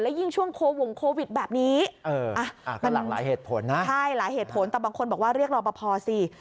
ยิ่งช่วงโควงโควิดแบบนี้ก็หลากหลายเหตุผลนะใช่หลายเหตุผลแต่บางคนบอกว่าเรียกรอปภสิ